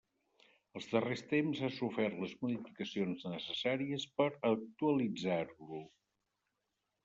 Als darrers temps ha sofert les modificacions necessàries per actualitzar-lo.